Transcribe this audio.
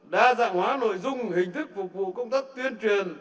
đa dạng hóa nội dung hình thức phục vụ công tác tuyên truyền